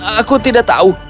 aku tidak tahu